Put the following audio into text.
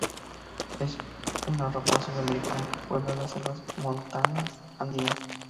Es una rapaz sudamericana que puebla las selvas montanas andinas.